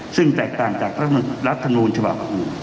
ซึ่งแตกต่างจากรัฐธนูนฉบับ